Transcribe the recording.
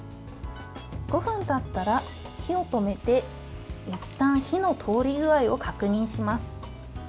５分たったら、火を止めていったん火の通り具合を確認します。